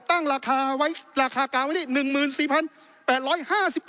ตั้งราคากางวันนี้